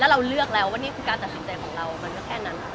เราเลือกแล้วว่านี่คือการตัดสินใจของเรามันก็แค่นั้น